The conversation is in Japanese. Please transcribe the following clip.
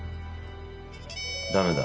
ダメだ。